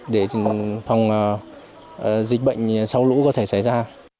để phòng dịch bệnh sau lũ có thể xảy ra